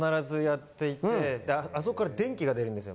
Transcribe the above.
あそこから電気が出るんですよ。